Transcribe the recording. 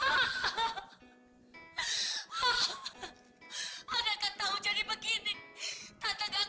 apa merata've mungkin compared minggar bodies